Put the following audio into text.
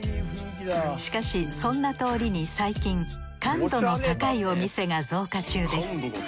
しかしそんな通りに最近感度の高いお店が増加中です。